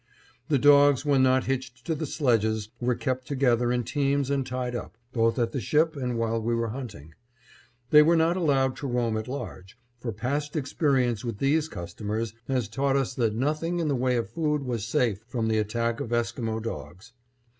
The dogs when not hitched to the sledges were kept together in teams and tied up, both at the ship and while we were hunting. They were not allowed to roam at large, for past experience with these customers had taught us that nothing in the way of food was safe from the attack of Esquimo dogs.